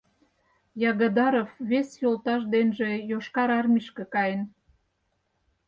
Ягодаров вес йолташ денже Йошкар Армийышке каен...